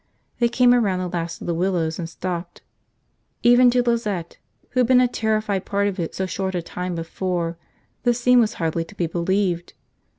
They came around the last of the willows, and stopped. Even to Lizette, who had been a terrified part of it so short a time before, the scene was hardly to be believed.